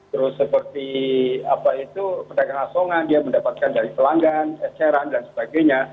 terus seperti apa itu pedagang asongan dia mendapatkan dari pelanggan eceran dan sebagainya